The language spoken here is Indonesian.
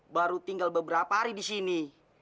baru tinggal beberapa hari disini